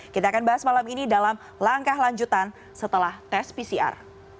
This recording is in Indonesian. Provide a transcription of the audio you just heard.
kita akan bahas malam ini dalam langkah lanjutan setelah tes pcr